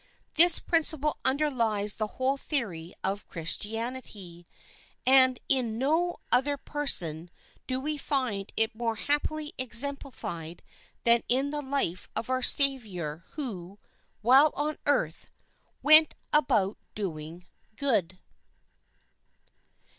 This principle underlies the whole theory of Christianity, and in no other person do we find it more happily exemplified than in the life of our Savior who, while on earth, "went about doing good."